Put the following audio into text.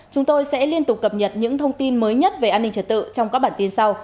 chúng tôi sẽ liên tục cập nhật những thông tin mới nhất về an ninh trật tự trong các bản tin sau